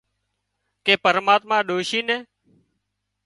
ڪي پرماتما ڏوشي نين